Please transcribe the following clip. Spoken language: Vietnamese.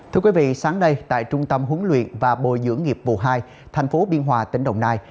thưa quý vị sáng nay tại trung tâm huấn luyện và bồi dưỡng nghiệp vụ hai thành phố biên hòa tỉnh đồng nai